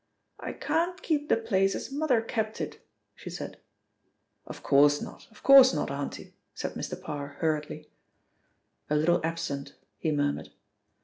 "I can't keep the place as mother kept it," she said. "Of course not, of course not, auntie," said Mr. Parr hurriedly. "A little absent," he murmured.